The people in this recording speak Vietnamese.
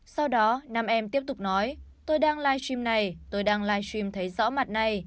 sau đó nam em tiếp tục nói tôi đang live stream này tôi đang livestream thấy rõ mặt này